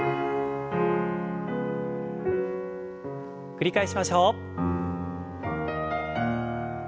繰り返しましょう。